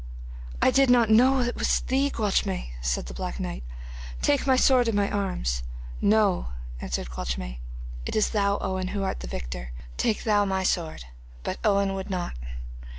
'I did not know it was thee, Gwalchmai,' said the black knight. 'Take my sword and my arms.' 'No,' answered Gwalchmai, 'it is thou, Owen, who art the victor, take thou my sword'; but Owen would not.